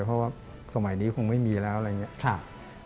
เพราะว่าสมัยนี้คงไม่มีแล้วอะไรอย่างนี้